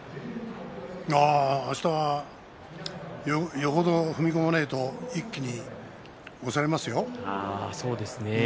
あしたはよほど踏み込まないと一気に押されますよ。